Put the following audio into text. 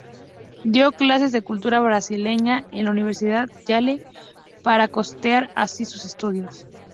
Dio clases de cultura brasileña en la Universidad Yale, para costear así sus estudios.